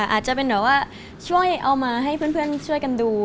อาจจะเป็นแบบว่าช่วยเอามาให้เพื่อนช่วยกันดู